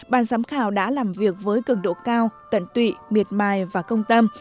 ban giám khảo đã làm việc với cường độ cao tận tụy miệt mài và công tâm